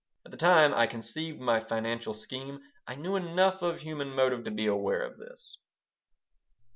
At the time I conceived my financial scheme I knew enough of human motive to be aware of this.